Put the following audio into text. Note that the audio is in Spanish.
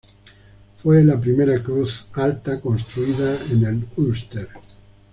Fue la primera cruz alta construida en el Ulster.